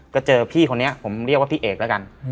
ก็เจอพี่คนนี้ผมเรียกว่าพี่เอกแล้วกัน